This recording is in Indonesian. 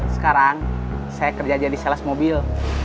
sekarang saya kerja aja di sales mobil